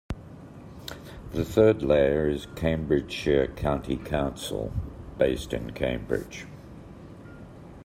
The third layer is Cambridgeshire County Council based in Cambridge.